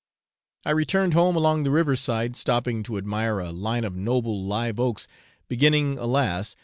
I returned home along the river side, stopping to admire a line of noble live oaks beginning, alas!